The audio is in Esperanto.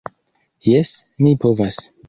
Jes, mi povas.